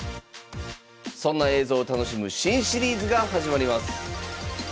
そんな映像を楽しむ新シリーズが始まります。